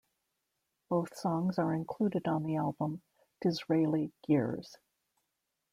Both songs are included on the album "Disraeli Gears".